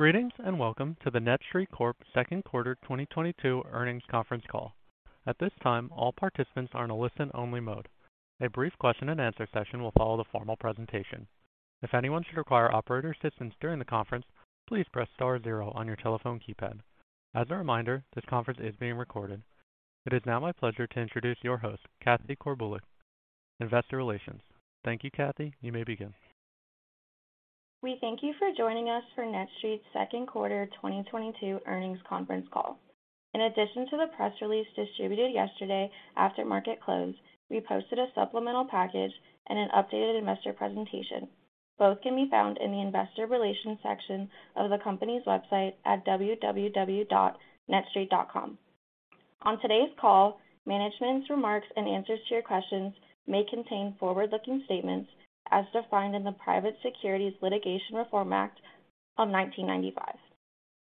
Greetings, and welcome to the NETSTREIT Corp. second quarter 2022 earnings conference call. At this time, all participants are in a listen-only mode. A brief question-and-answer session will follow the formal presentation. If anyone should require operator assistance during the conference, please press star zero on your telephone keypad. As a reminder, this conference is being recorded. It is now my pleasure to introduce your host, Jana Galan, Investor Relations. Thank you, Jana. You may begin. We thank you for joining us for NETSTREIT's second quarter 2022 earnings conference call. In addition to the press release distributed yesterday after market close, we posted a supplemental package and an updated investor presentation. Both can be found in the investor relations section of the company's website at www.netstreit.com. On today's call, management's remarks and answers to your questions may contain forward-looking statements as defined in the Private Securities Litigation Reform Act of 1995.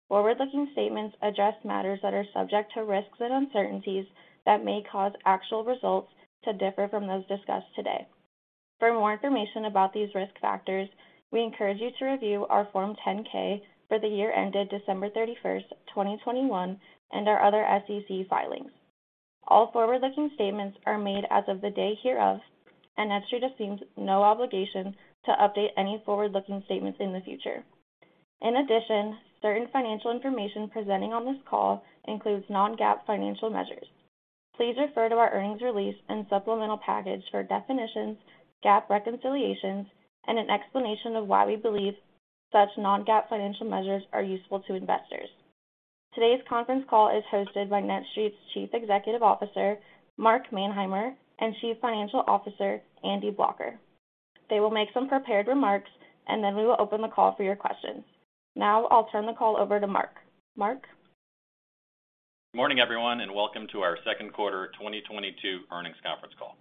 Forward-looking statements address matters that are subject to risks and uncertainties that may cause actual results to differ from those discussed today. For more information about these risk factors, we encourage you to review our Form 10-K for the year ended December 31, 2021, and our other SEC filings. All forward-looking statements are made as of the date hereof, and NETSTREIT assumes no obligation to update any forward-looking statements in the future. In addition, certain financial information presented on this call includes non-GAAP financial measures. Please refer to our earnings release and supplemental package for definitions, GAAP reconciliations, and an explanation of why we believe such non-GAAP financial measures are useful to investors. Today's conference call is hosted by NETSTREIT's Chief Executive Officer, Mark Manheimer, and Chief Financial Officer, Andrew Blocher. They will make some prepared remarks, and then we will open the call for your questions. Now I'll turn the call over to Mark. Mark? Morning, everyone, and welcome to our second quarter 2022 earnings conference call.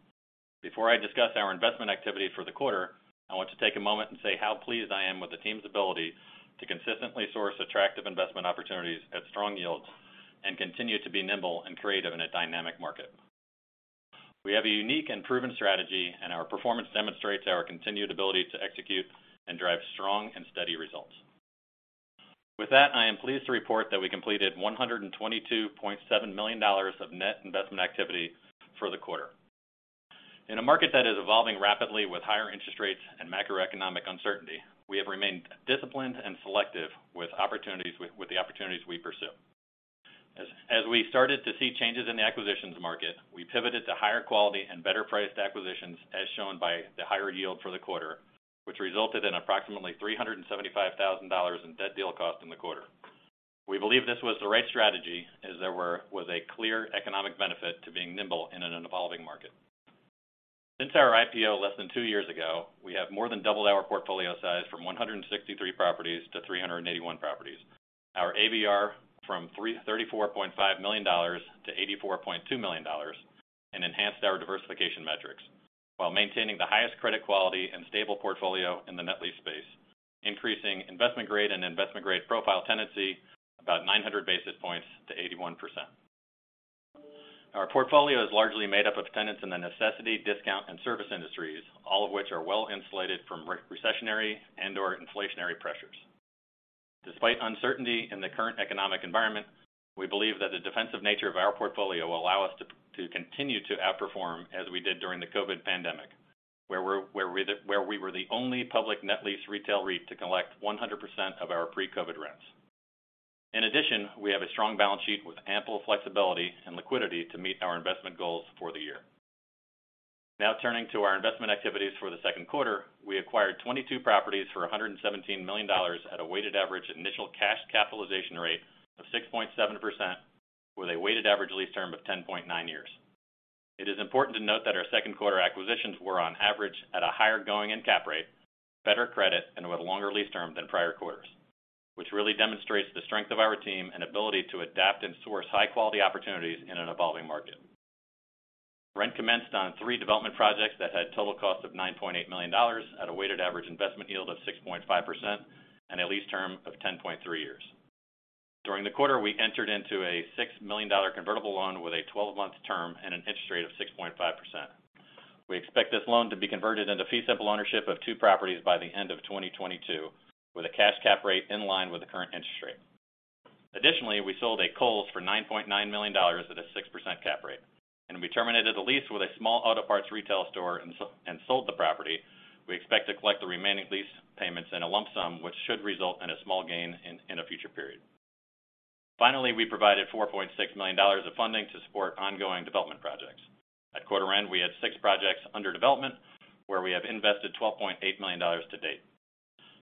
Before I discuss our investment activity for the quarter, I want to take a moment and say how pleased I am with the team's ability to consistently source attractive investment opportunities at strong yields and continue to be nimble and creative in a dynamic market. We have a unique and proven strategy, and our performance demonstrates our continued ability to execute and drive strong and steady results. With that, I am pleased to report that we completed $122.7 million of net investment activity for the quarter. In a market that is evolving rapidly with higher interest rates and macroeconomic uncertainty, we have remained disciplined and selective with the opportunities we pursue. As we started to see changes in the acquisitions market, we pivoted to higher quality and better priced acquisitions, as shown by the higher yield for the quarter, which resulted in approximately $375,000 in dead deal costs in the quarter. We believe this was the right strategy as there was a clear economic benefit to being nimble in an evolving market. Since our IPO less than two years ago, we have more than doubled our portfolio size from 163 properties to 381 properties, our ABR from $34.5 million–$84.2 million, and enhanced our diversification metrics while maintaining the highest credit quality and stable portfolio in the net lease space, increasing investment-grade and investment-grade profile tenancy about 900 basis points to 81%. Our portfolio is largely made up of tenants in the necessity, discount, and service industries, all of which are well-insulated from recessionary and/or inflationary pressures. Despite uncertainty in the current economic environment, we believe that the defensive nature of our portfolio will allow us to continue to outperform as we did during the COVID pandemic, where we were the only public net-lease retail REIT to collect 100% of our pre-COVID rents. In addition, we have a strong balance sheet with ample flexibility and liquidity to meet our investment goals for the year. Now turning to our investment activities for the second quarter. We acquired 22 properties for $117 million at a weighted average initial cash capitalization rate of 6.7% with a weighted average lease term of 10.9 years. It is important to note that our second quarter acquisitions were on average at a higher going-in cap rate, better credit, and with longer lease term than prior quarters, which really demonstrates the strength of our team and ability to adapt and source high-quality opportunities in an evolving market. Rent commenced on three development projects that had total cost of $9.8 million at a weighted average investment yield of 6.5% and a lease term of 10.3 years. During the quarter, we entered into a $6 million convertible loan with a 12-month term and an interest rate of 6.5%. We expect this loan to be converted intofee-simple ownership of two properties by the end of 2022, with a cash cap rate in line with the current interest rate. Additionally, we sold a Kohl's for $9.9 million at a 6% cap rate, and we terminated the lease with a small auto parts retail store and sold the property. We expect to collect the remaining lease payments in a lump sum, which should result in a small gain in a future period. Finally, we provided $4.6 million of funding to support ongoing development projects. At quarter end, we had six projects under development where we have invested $12.8 million to date.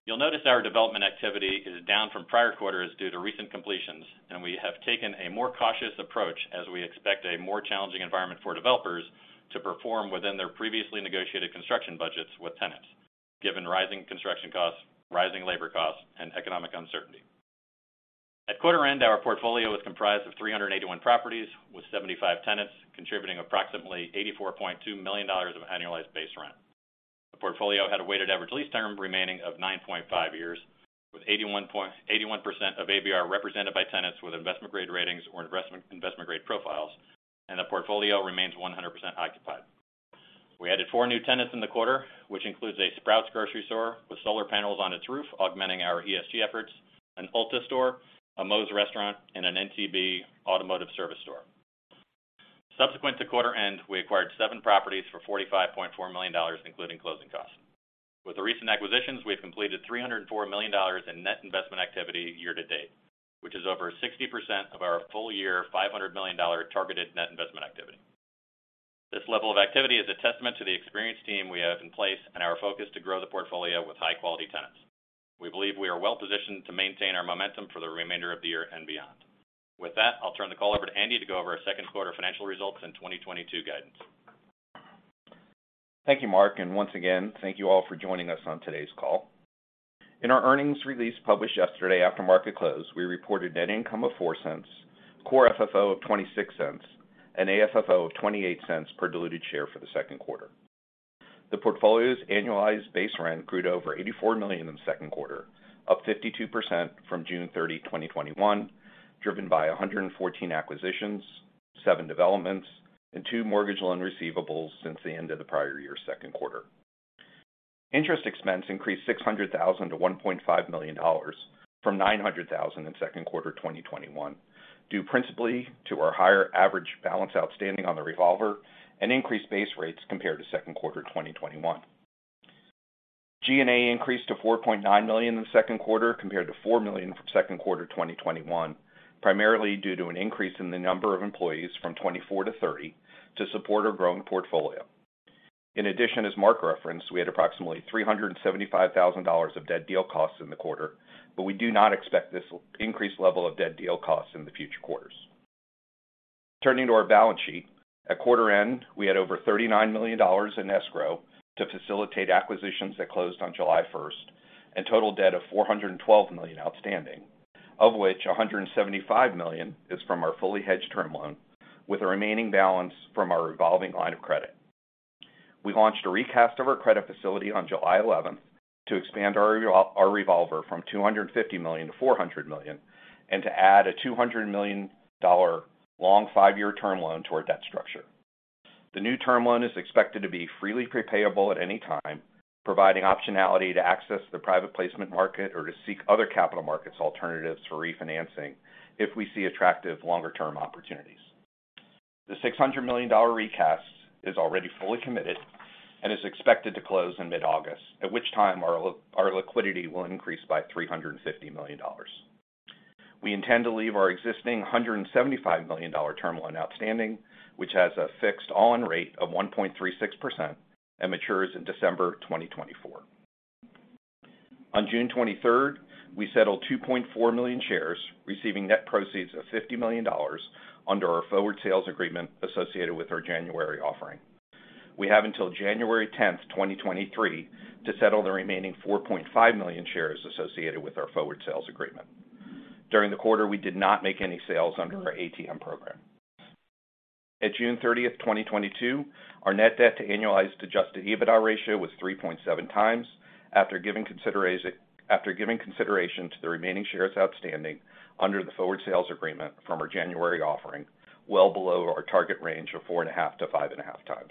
You'll notice our development activity is down from prior quarters due to recent completions, and we have taken a more cautious approach as we expect a more challenging environment for developers to perform within their previously negotiated construction budgets with tenants, given rising construction costs, rising labor costs, and economic uncertainty. At quarter end, our portfolio was comprised of 381 properties with 75 tenants, contributing approximately $84.2 million of annualized base rent. The portfolio had a weighted average lease term remaining of 9.5 years, with 81% of ABR represented by tenants with investment grade ratings or investment grade profiles, and the portfolio remains 100% occupied. We added 4 new tenants in the quarter, which includes a Sprouts grocery store with solar panels on its roof, augmenting our ESG efforts, an Ulta store, a Moe's restaurant, and an NTB automotive service store. Subsequent to quarter end, we acquired seven properties for $45.4 million, including closing costs. With the recent acquisitions, we have completed $304 million in net investment activity year to date, which is over 60% of our full year $500 million targeted net investment activity. This level of activity is a testament to the experienced team we have in place and our focus to grow the portfolio with high quality tenants. We believe we are well-positioned to maintain our momentum for the remainder of the year and beyond. With that, I'll turn the call over Andrew Blocher to go over our second quarter financial results and 2022 guidance. Thank you, Mark, and once again, thank you all for joining us on today's call. In our earnings release published yesterday after market close, we reported net income of $0.04, Core FFO of $0.26, and AFFO of $0.28 per diluted share for the second quarter. The portfolio's annualized base rent grew to over $84 million in the second quarter, up 52% from June 30, 2021, driven by 114 acquisitions, seven developments, and two mortgage loan receivables since the end of the prior year's second quarter. Interest expense increased $600,000–$1.5 million from $900,000 in second quarter 2021, due principally to our higher average balance outstanding on the revolver and increased base rates compared to second quarter 2021. G&A increased to $4.9 million in the second quarter compared to $4 million from second quarter 2021, primarily due to an increase in the number of employees from 24 to 30 to support our growing portfolio. In addition, as Mark referenced, we had approximately $375,000 of dead deal costs in the quarter, but we do not expect this increased level of dead deal costs in the future quarters. Turning to our balance sheet, at quarter end, we had over $39 million in escrow to facilitate acquisitions that closed on July 1 and total debt of $412 million outstanding, of which $175 million is from our fully hedged term loan with the remaining balance from our revolving line of credit. We launched a recast of our credit facility on July 11 to expand our revolver from $250 million–$400 million and to add a $200 million long five-year term loan to our debt structure. The new term loan is expected to be freely prepayable at any time, providing optionality to access the private placement market or to seek other capital markets alternatives for refinancing if we see attractive longer-term opportunities. The $600 million recast is already fully committed and is expected to close in mid-August, at which time our liquidity will increase by $350 million. We intend to leave our existing $175 million term loan outstanding, which has a fixed all-in rate of 1.36% and matures in December 2024. On June 23, we settled 2.4 million shares, receiving net proceeds of $50 million under our forward sales agreement associated with our January offering. We have until January 10, 2023 to settle the remaining 4.5 million shares associated with our forward sales agreement. During the quarter, we did not make any sales under our ATM program. At June 30, 2022, our net debt to annualized adjusted EBITDA ratio was 3.7x after giving consideration to the remaining shares outstanding under the forward sales agreement from our January offering, well below our target range of 4.5x–5.5x.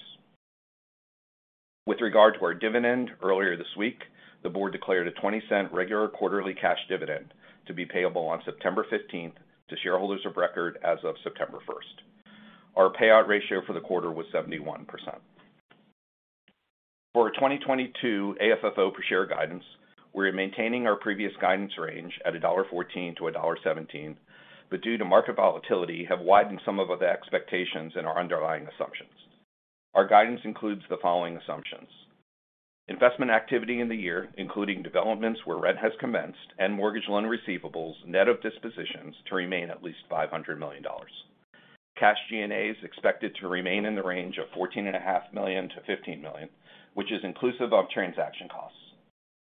With regard to our dividend, earlier this week, the board declared a $0.20 regular quarterly cash dividend to be payable on September 15 to shareholders of record as of September 1. Our payout ratio for the quarter was 71%. For our 2022 AFFO per share guidance, we're maintaining our previous guidance range at $1.14–$1.17, but due to market volatility, have widened some of the expectations in our underlying assumptions. Our guidance includes the following assumptions. Investment activity in the year, including developments where rent has commenced and mortgage loan receivables net of dispositions to remain at least $500 million. Cash G&A is expected to remain in the range of $14.5 million–$15 million, which is inclusive of transaction costs.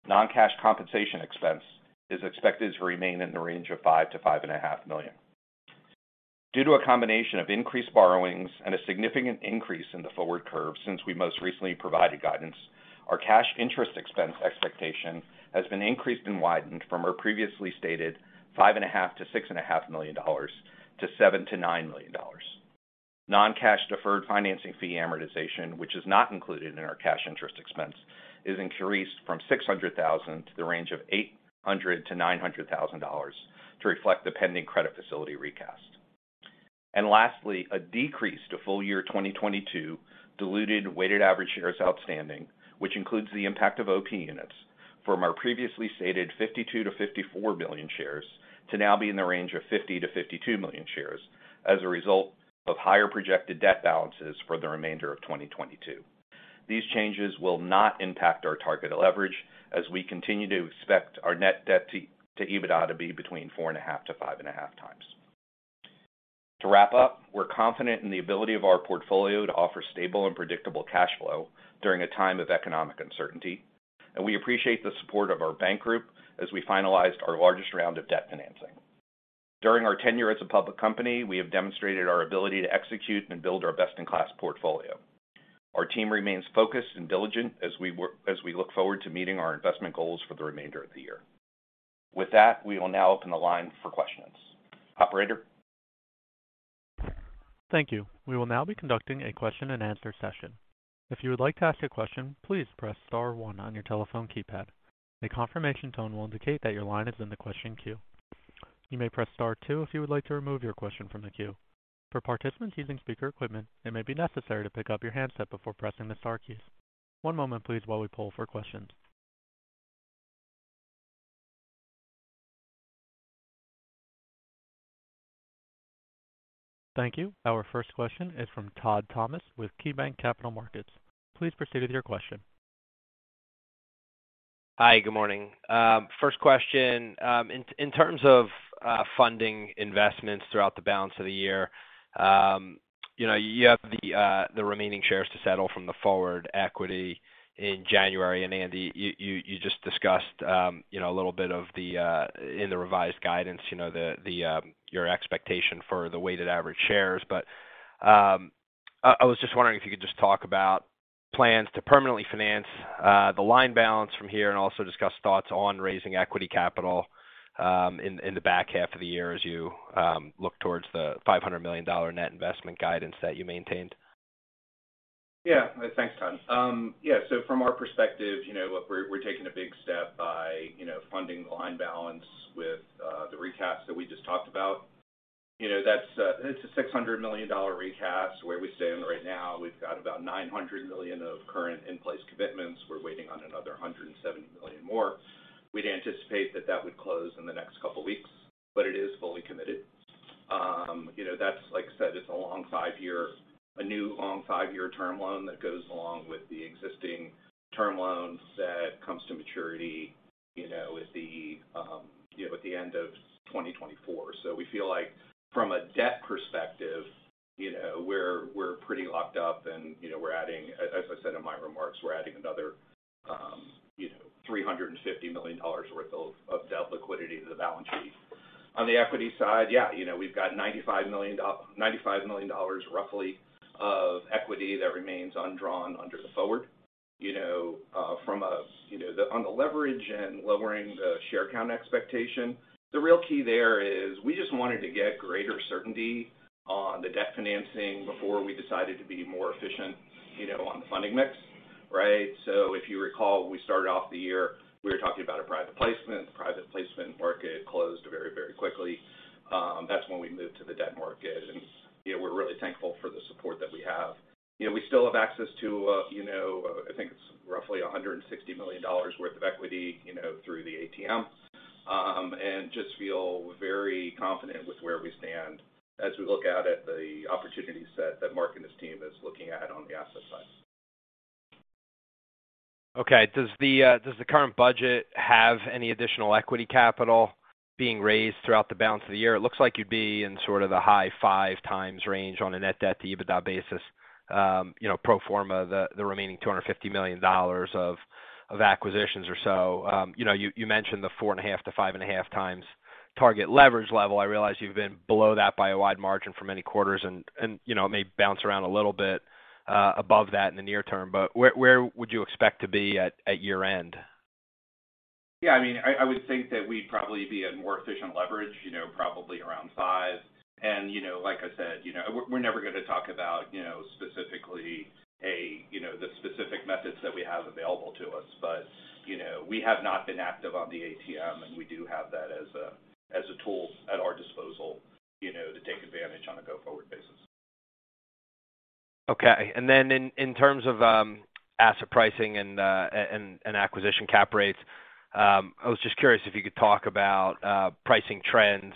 Non-cash compensation expense is expected to remain in the range of $5–$5.5 million. Due to a combination of increased borrowings and a significant increase in the forward curve since we most recently provided guidance, our cash interest expense expectation has been increased and widened from our previously stated $5.5–$6.5 million to $7–$9 million. Non-cash deferred financing fee amortization, which is not included in our cash interest expense, is increased from $600,000 to the range of $800,000–$900,000 to reflect the pending credit facility recast. Lastly, a decrease to full-year 2022 diluted weighted average shares outstanding, which includes the impact of OP units from our previously stated 52 million–54 million shares to now be in the range of 50 million–52 million shares as a result of higher projected debt balances for the remainder of 2022. These changes will not impact our target leverage as we continue to expect our net debt to EBITDA to be between 4.5x–5.5x. To wrap up, we're confident in the ability of our portfolio to offer stable and predictable cash flow during a time of economic uncertainty. We appreciate the support of our bank group as we finalized our largest round of debt financing. During our tenure as a public company, we have demonstrated our ability to execute and build our best-in-class portfolio. Our team remains focused and diligent as we look forward to meeting our investment goals for the remainder of the year. With that, we will now open the line for questions. Operator? Thank you. We will now be conducting a question-and-answer session. If you would like to ask a question, please press star one on your telephone keypad. A confirmation tone will indicate that your line is in the question queue. You may press star two if you would like to remove your question from the queue. For participants using speaker equipment, it may be necessary to pick up your handset before pressing the star keys. One moment please while we poll for questions. Thank you. Our first question is from Todd Thomas with KeyBanc Capital Markets. Please proceed with your question. Hi, good morning. First question. In terms of funding investments throughout the balance of the year, you know, you have the remaining shares to settle from the forward equity in January. Andrew Blocher, you just discussed you know, a little bit about the revised guidance, you know, your expectation for the weighted average shares. I was just wondering if you could just talk about plans to permanently finance the line balance from here and also discuss thoughts on raising equity capital in the back half of the year as you look towards the $500 million net investment guidance that you maintained. Yeah. Thanks, Todd. Yeah, so from our perspective, you know, look, we're taking a big step by, you know, funding the line balance with the recast that we just talked about. You know, that's, it's a $600 million recast where we stand right now. We've got about $900 million of current in-place commitments. We're waiting on another $170 million more. We'd anticipate that would close in the next couple weeks, but it is fully committed. You know, that's like I said, it's a new long five-year term loan that goes along with the existing term loan that comes to maturity, you know, with the at the end of 2024. We feel like from a debt perspective, you know, we're pretty locked up and, you know, we're adding, as I said in my remarks, another $350 million worth of debt liquidity to the balance sheet. On the equity side, yeah, you know, we've got $95 million roughly of equity that remains undrawn under the forward. On the leverage end, lowering the share-count expectation, the real key there is we just wanted to get greater certainty on the debt financing before we decided to be more efficient, you know, on the funding mix, right? If you recall, we started off the year, we were talking about a private placement. Private placement market closed very, very quickly. That's when we moved to the debt market. You know, we're really thankful for the support that we have. You know, we still have access to, you know, I think it's roughly $160 million worth of equity, you know, through the ATM, and just feel very confident with where we stand as we look out at the opportunity set that Mark and his team is looking at on the asset side. Okay. Does the current budget have any additional equity capital being raised throughout the balance of the year? It looks like you'd be in sort of the high 5 times range on a net debt to EBITDA basis, you know, pro forma the remaining $250 million of acquisitions or so. You know, you mentioned the 4.5x–5.5x target leverage level. I realize you've been below that by a wide margin for many quarters and you know, it may bounce around a little bit above that in the near term. Where would you expect to be at year-end? Yeah, I mean, I would think that we'd probably be at more efficient leverage, you know, probably around five. You know, like I said, you know, we're never going to talk about, you know, specifically, you know, the specific methods that we have available to us. But, you know, we have not been active on the ATM, and we do have that as a tool at our disposal, you know, to take advantage on a go-forward basis. Okay. In terms of asset pricing and acquisition cap rates, I was just curious if you could talk about pricing trends,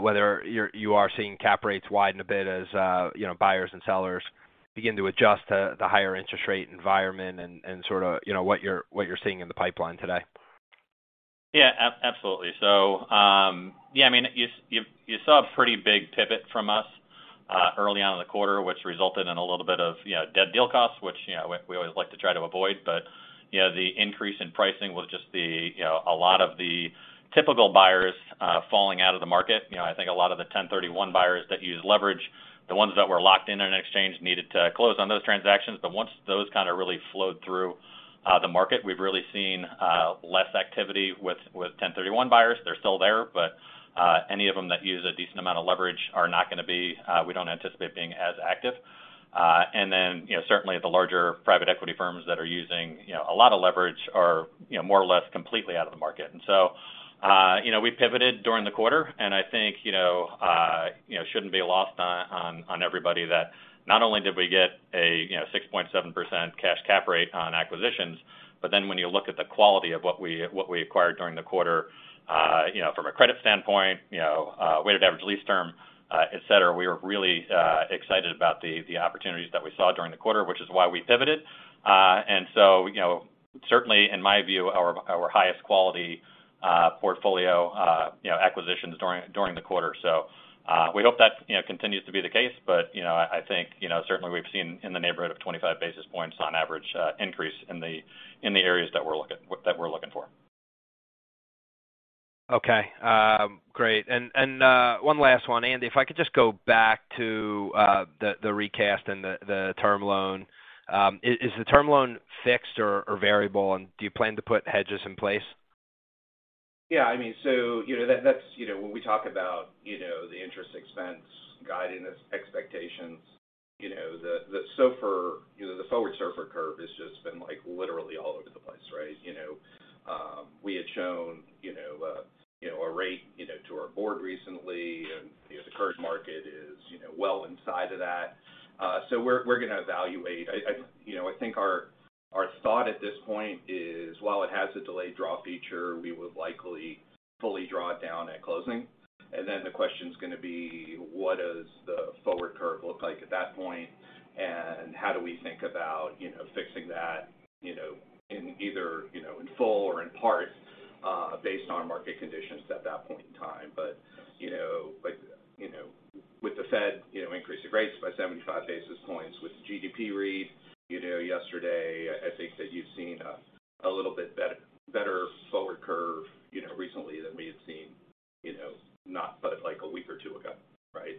whether you're seeing cap rates widen a bit as you know, buyers and sellers begin to adjust to the higher interest rate environment and sort of you know, what you're seeing in the pipeline today. Yeah. Absolutely. Yeah, I mean, you saw a pretty big pivot from us early on in the quarter, which resulted in a little bit of, you know, dead deal costs, which, you know, we always like to try to avoid. You know, the increase in pricing was just the, you know, a lot of the typical buyers falling out of the market. You know, I think a lot of the 1031 buyers that use leverage, the ones that were locked in an exchange needed to close on those transactions. Once those kind of really flowed through the market, we've really seen less activity with 1031 buyers. They're still there, but any of them that use a decent amount of leverage are not going to be, we don't anticipate being as active. Certainly the larger private equity firms that are using, you know, a lot of leverage are, you know, more or less completely out of the market. We pivoted during the quarter, and I think, you know, it shouldn't be lost on everybody that not only did we get a, you know, 6.7% cash cap rate on acquisitions, but then when you look at the quality of what we acquired during the quarter, you know, from a credit standpoint, you know, weighted average lease term, et cetera, we were really excited about the opportunities that we saw during the quarter, which is why we pivoted. Certainly in my view, our highest quality portfolio acquisitions during the quarter. We hope that, you know, continues to be the case. You know, I think, you know, certainly we've seen in the neighborhood of 25 basis points on average, increase in the areas that we're looking for. Okay. Great. One last one. Andy, if I could just go back to the recast and the term loan. Is the term loan fixed or variable, and do you plan to put hedges in place? Yeah, I mean, you know, that's, you know, when we talk about, you know, the interest expense guidance expectations, you know, the SOFR, you know, the forward SOFR curve has just been, like, literally all over the place, right? You know, we had shown, you know, a rate, you know, to our board recently and, you know, the current market is, you know, well inside of that. So we're going to evaluate. I think our thought at this point is while it has a delayed draw feature, we would likely fully draw it down at closing. Then the question's going to be: what does the forward curve look like at that point, and how do we think about, you know, fixing that, you know, in either, you know, in full or in part, based on market conditions at that point in time. You know, like, you know, with the Fed, you know, increasing rates by 75 basis points with the GDP read, you know, yesterday, I think that you've seen a little bit better forward curve, you know, recently than we had seen, you know, not but, like, a week or two ago, right?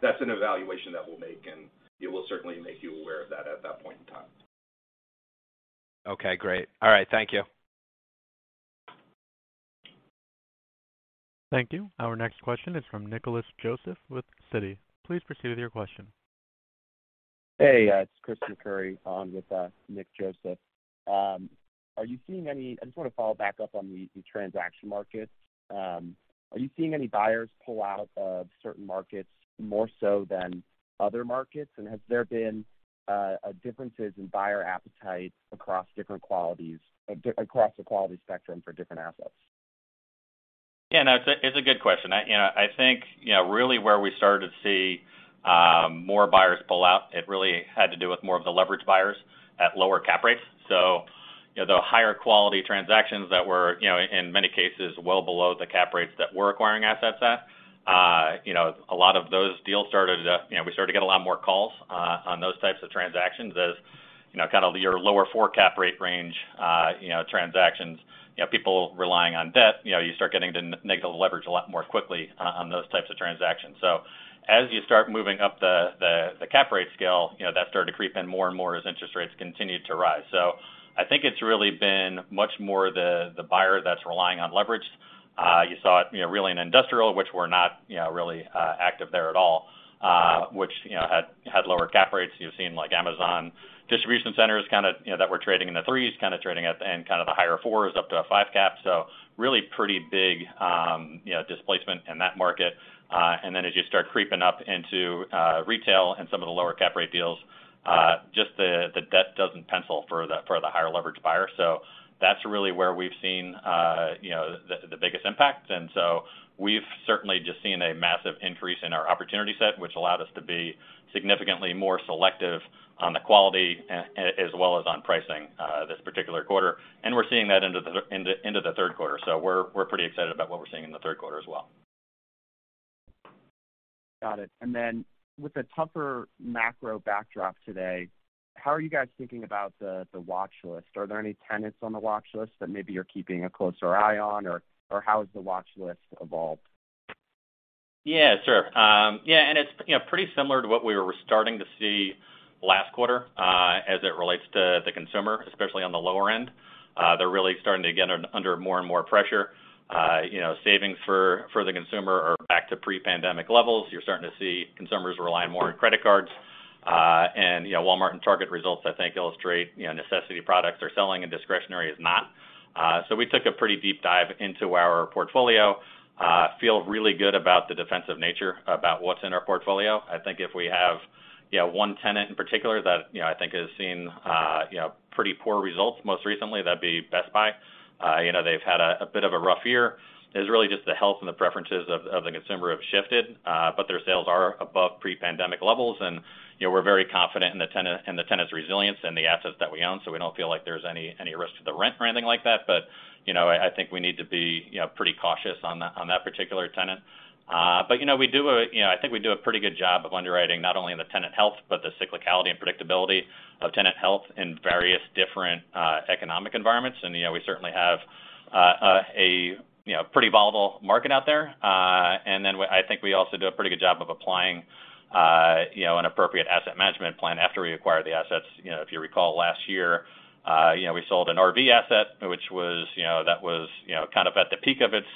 That's an evaluation that we'll make, and we will certainly make you aware of that at that point in time. Okay, great. All right, thank you. Thank you. Our next question is from Nicholas Joseph with Citi. Please proceed with your question. Hey, it's Christian Curry on with Nick Joseph. I just want to follow back up on the transaction market. Are you seeing any buyers pull out of certain markets more so than other markets? Has there been differences in buyer appetite across different qualities, across the quality spectrum for different assets? Yeah, no, it's a good question. You know, I think really where we started to see more buyers pull out, it really had to do with more of the leverage buyers at lower cap rates. You know, the higher quality transactions that were, you know, in many cases well below the cap rates that we're acquiring assets at, you know, a lot of those deals started, you know, we started to get a lot more calls on those types of transactions as, you know, kind of your lower four cap rate range, you know, transactions. You know, people relying on debt, you know, you start getting to negative leverage a lot more quickly on those types of transactions. As you start moving up the cap rate scale, you know, that started to creep in more and more as interest rates continued to rise. I think it's really been much more the buyer that's relying on leverage. You saw it, you know, really in industrial, which we're not, you know, really active there at all, which, you know, had lower cap rates. You've seen, like, Amazon distribution centers kind of, you know, that were trading in the threes kind of trading at the end kind of the higher fours up to a 5% cap. Really pretty big, you know, displacement in that market. As you start creeping up into retail and some of the lower-cap-rate deals, just the debt doesn't pencil for the higher-leverage buyer. That's really where we've seen the biggest impact. We've certainly just seen a massive increase in our opportunity set, which allowed us to be significantly more selective on the quality as well as on pricing this particular quarter. We're seeing that into the third quarter. We're pretty excited about what we're seeing in the third quarter as well. Got it. With the tougher macro backdrop today, how are you guys thinking about the watch list? Are there any tenants on the watch list that maybe you're keeping a closer eye on? How has the watch list evolved? Yeah, sure. Yeah, it's, you know, pretty similar to what we were starting to see last quarter, as it relates to the consumer, especially on the lower end. They're really starting to get under more and more pressure. You know, savings for the consumer are back to pre-pandemic levels. You're starting to see consumers rely more on credit cards. You know, Walmart and Target results I think illustrate, you know, necessity products are selling and discretionary is not. We took a pretty deep dive into our portfolio. Feel really good about the defensive nature about what's in our portfolio. I think if we have, you know, one tenant in particular that, you know, I think has seen, you know, pretty poor results most recently, that'd be Best Buy. You know, they've had a bit of a rough year. It's really just the health and the preferences of the consumer have shifted, but their sales are above pre-pandemic levels. You know, we're very confident in the tenant's resilience and the assets that we own, so we don't feel like there's any risk to the rent or anything like that. You know, I think we need to be you know, pretty cautious on that particular tenant. You know, we do you know, I think we do a pretty good job of underwriting not only the tenant health, but the cyclicality and predictability of tenant health in various different economic environments. You know, we certainly have a pretty volatile market out there. I think we also do a pretty good job of applying, you know, an appropriate asset management plan after we acquire the assets. You know, if you recall last year, you know, we sold an RV asset, which was, you know, kind of at the peak of its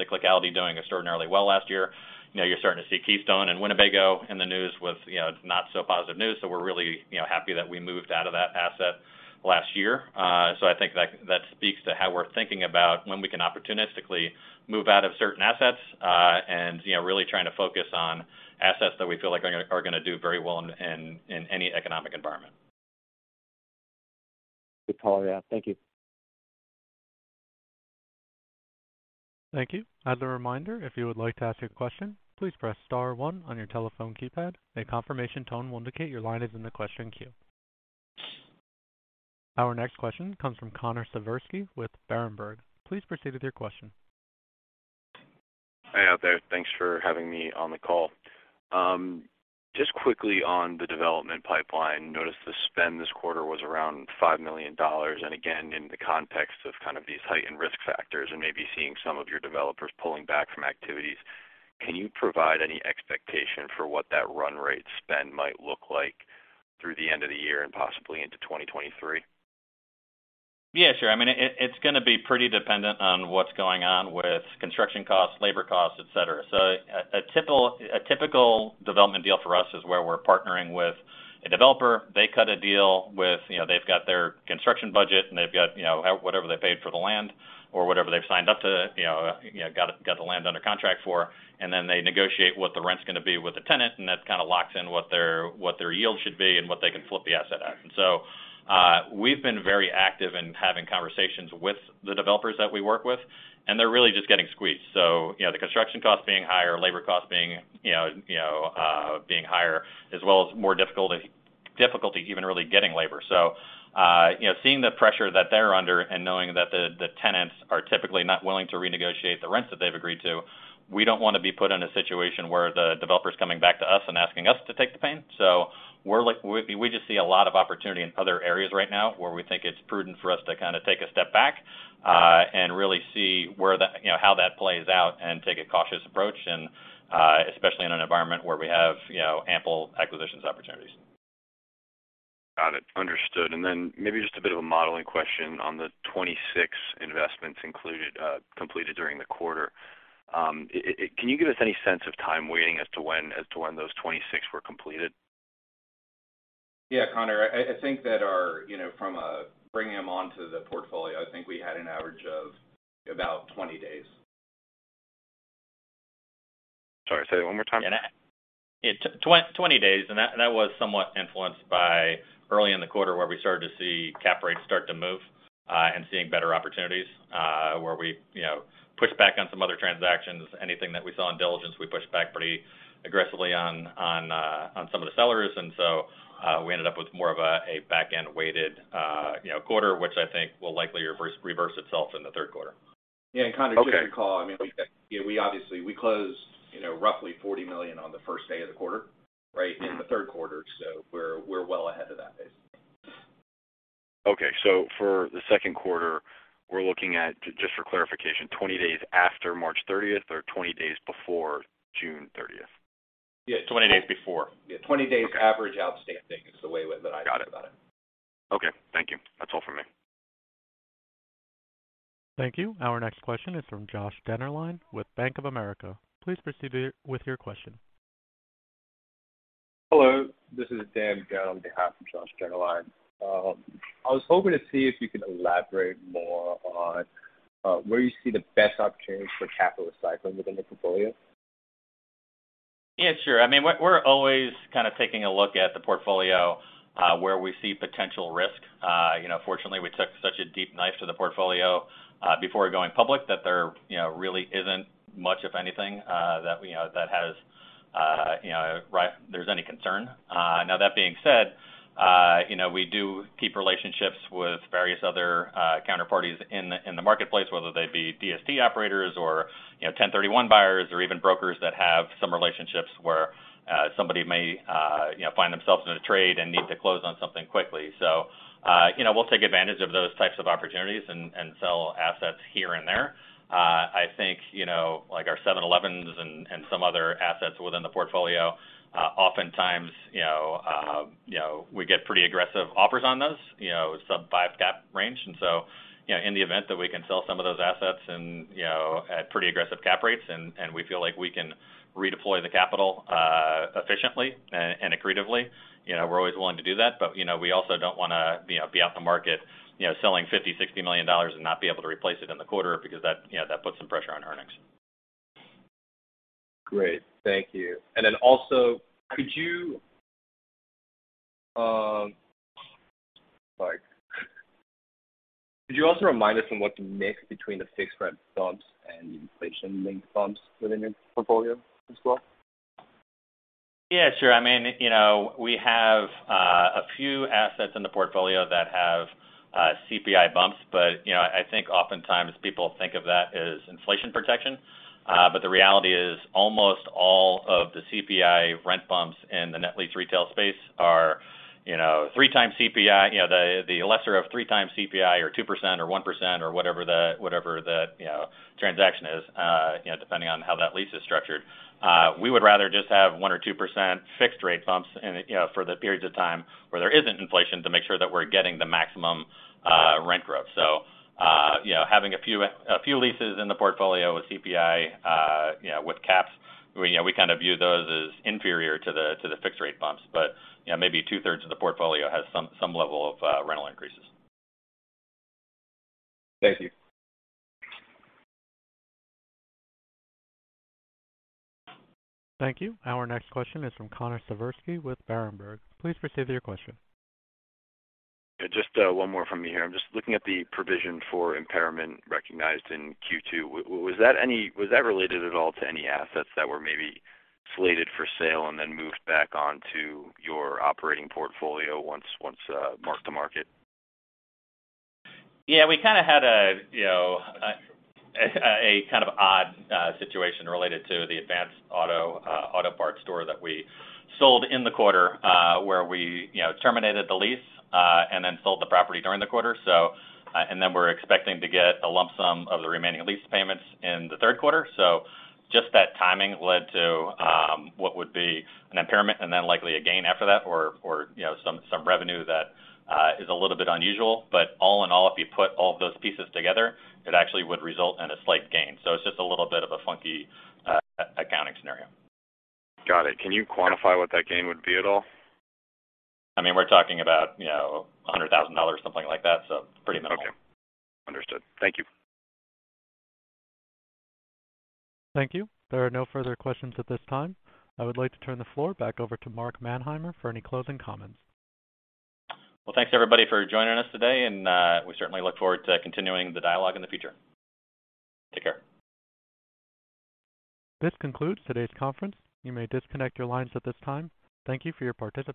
cyclicality, doing extraordinarily well last year. You know, you're starting to see Keystone and Winnebago in the news with, you know, not so positive news. We're really, you know, happy that we moved out of that asset last year. I think that speaks to how we're thinking about when we can opportunistically move out of certain assets, and you know, really trying to focus on assets that we feel like are going to do very well in any economic environment. Good call, yeah. Thank you. Thank you. As a reminder, if you would like to ask a question, please press star one on your telephone keypad. A confirmation tone will indicate your line is in the question queue. Our next question comes from Connor Siversky with Berenberg. Please proceed with your question. Hi out there. Thanks for having me on the call. Just quickly on the development pipeline. Noticed the spend this quarter was around $5 million. Again, in the context of kind of these heightened risk factors and maybe seeing some developers pulling back from activities, can you provide any expectation for what that run rate spend might look like through the end of the year and possibly into 2023? Yeah, sure. I mean, it's going to be pretty dependent on what's going on with construction costs, labor costs, et cetera. A typical development deal for us is where we're partnering with a developer. They cut a deal with. You know, they've got their construction budget, and they've got, you know, whatever they paid for the land or whatever they've signed up to, you know, got the land under contract for, and then they negotiate what the rent's going to be with the tenant, and that kind of locks in what their yield should be and what they can flip the asset at. We've been very active in having conversations with the developers that we work with, and they're really just getting squeezed. You know, the construction costs being higher, labor costs being higher, as well as more difficulty even really getting labor. Seeing the pressure that they're under and knowing that the tenants are typically not willing to renegotiate the rents that they've agreed to, we don't want to be put in a situation where the developer's coming back to us and asking us to take the pain. We just see a lot of opportunity in other areas right now where we think it's prudent for us to kind of take a step back and really see where that you know how that plays out and take a cautious approach and especially in an environment where we have you know ample acquisitions opportunities. Got it. Understood. Maybe just a bit of a modeling question on the 26 investments included, completed during the quarter. Can you give us any sense of timing as to when those 26 were completed? Yeah, Connor, I think that our, you know, from a bringing them onto the portfolio, I think we had an average of about 20 days. Sorry, say that one more time. Yeah. Twenty days, and that was somewhat influenced by early in the quarter where we started to see cap rates start to move, and seeing better opportunities, where we, you know, pushed back on some other transactions. Anything that we saw in diligence, we pushed back pretty aggressively on some of the sellers. We ended up with more of a back-end weighted, you know, quarter, which I think will likely reverse itself in the third quarter. Yeah, Connor, just to recall, I mean, we, you know, we obviously we closed, you know, roughly $40 million on the first day of the quarter, right? In the third quarter. We're well ahead of that basically. Okay. For the second quarter, we're looking at, just for clarification, 20 days after March 30 or 20 days before June 30? Yeah. 20 days before. Yeah. 20 days- Okay. Average outstanding is the way that I think about it. Got it. Okay. Thank you. That's all for me. Thank you. Our next question is from Josh Dennerlein with Bank of America. Please proceed with your question. Hello, this is Dan Gao on behalf of Josh Dennerlein. I was hoping to see if you could elaborate more on where you see the best opportunities for capital recycling within the portfolio. Yeah, sure. I mean, we're always kind of taking a look at the portfolio where we see potential risk. You know, fortunately, we took such a deep knife to the portfolio before going public that there you know really isn't much of anything that there's any concern. Now that being said, you know, we do keep relationships with various other counterparties in the marketplace, whether they be DST operators or you know 1031 exchange buyers or even brokers that have some relationships where somebody may you know find themselves in a trade and need to close on something quickly. You know, we'll take advantage of those types of opportunities and sell assets here and there. I think, you know, like our 7-Eleven and some other assets within the portfolio, oftentimes, you know, we get pretty aggressive offers on those, you know, sub-5% cap range. You know, in the event that we can sell some of those assets and, you know, at pretty aggressive cap rates and we feel like we can redeploy the capital, efficiently and accretively, you know, we're always willing to do that. You know, we also don't want to, you know, be off the market, you know, selling $50–$60 million and not be able to replace it in the quarter because that, you know, that puts some pressure on earnings. Great. Thank you. Could you also remind us on what the mix between the fixed rent bumps and inflation-linked bumps within your portfolio as well? Yeah, sure. I mean, you know, we have a few assets in the portfolio that have CPI bumps, but, you know, I think oftentimes people think of that as inflation protection. The reality is, almost all of the CPI rent bumps in the net-lease retail space are, you know, 3x CPI, you know, the lesser of 3x CPI or 2% or 1% or whatever the, you know, transaction is, you know, depending on how that lease is structured. We would rather just have 1% or 2% fixed-rate bumps in you know, for the periods of time where there isn't inflation, to make sure that we're getting the maximum rent growth. you know, having a few leases in the portfolio with CPI, you know, with caps, you know, we kind of view those as inferior to thefixed-rate bumpss. you know, maybe two-thirds of the portfolio has some level of rental increases. Thank you. Thank you. Our next question is from Connor Siversky with Berenberg. Please proceed with your question. Just, one more from me here. I'm just looking at the provision for impairment recognized in Q2. Was that related at all to any assets that were maybe slated for sale and then moved back onto your operating portfolio once mark-to-market? Yeah, we kind of had a you know a kind of odd situation related to the Advance Auto Parts store that we sold in the quarter where we you know terminated the lease and then sold the property during the quarter. And then we're expecting to get a lump sum of the remaining lease payments in the third quarter. Just that timing led to what would be an impairment and then likely a gain after that or you know some revenue that is a little bit unusual. But all in all, if you put all of those pieces together, it actually would result in a slight gain. It's just a little bit of a funky accounting scenario. Got it. Can you quantify what that gain would be at all? I mean, we're talking about, you know, $100,000, something like that, so pretty minimal. Okay. Understood. Thank you. Thank you. There are no further questions at this time. I would like to turn the floor back over to Mark Manheimer for any closing comments. Well, thanks everybody for joining us today, and we certainly look forward to continuing the dialogue in the future. Take care. This concludes today's conference. You may disconnect your lines at this time. Thank you for your participation.